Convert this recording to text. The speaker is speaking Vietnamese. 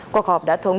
cuộc họp đã thông tin